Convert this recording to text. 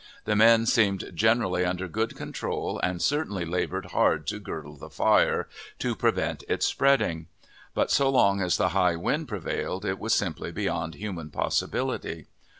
The men seemed generally under good control, and certainly labored hard to girdle the fire, to prevent its spreading; but, so long as the high wind prevailed, it was simply beyond human possibility.